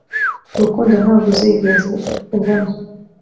urukundo ntabwo uzigeza ubona